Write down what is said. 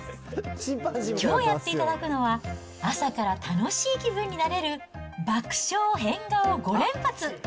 きょうやっていただくのは、朝から楽しい気分になれる、爆笑変顔５連発。